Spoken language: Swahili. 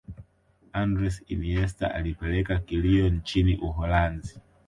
andres iniesta alipeleka kilio nchini Uholanzi